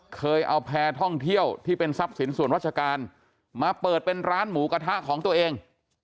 เคยเอาแพร่ท่องเที่ยวที่เป็นทรัพย์สินส่วนราชการมาเปิดเป็นร้านหมูกระทะของตัวเอง